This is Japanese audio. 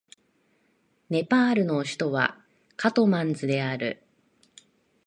ネパールの首都はカトマンズである